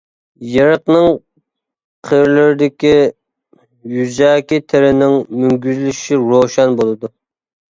يېرىقنىڭ قىرلىرىدىكى يۈزەكى تېرىنىڭ مۈڭگۈزلىشىشى روشەن بولىدۇ.